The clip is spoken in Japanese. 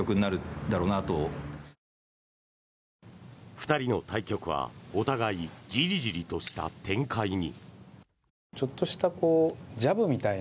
２人の対局はお互いじりじりとした展開に。